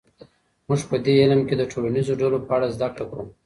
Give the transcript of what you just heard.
موږ په دې علم کې د ټولنیزو ډلو په اړه زده کړه کوو.